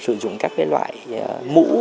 sử dụng các loại mũ